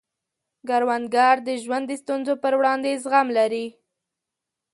کروندګر د ژوند د ستونزو پر وړاندې زغم لري